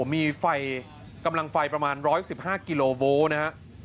มีไฟกำลังไฟประมาณ๑๑๕กิโลโวลต์นะฮะ